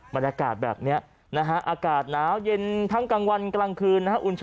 บรรยากาศแบบนี้นะฮะอากาศหนาวเย็นทั้งกลางวันกลางคืนนะครับ